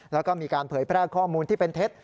แล้วก็มีการเผยแพร่ข้อมูลที่เป็นเท็จ